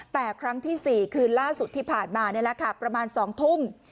แต่ครั้งที่๔คืนล่าสุดที่ผ่านมานี่แหละค่ะประมาณ๒ทุ่ม